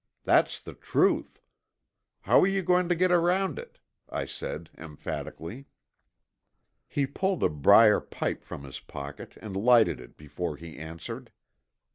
That's the truth. How are you going to get around it?" I said emphatically. He pulled a briar pipe from his pocket and lighted it before he answered.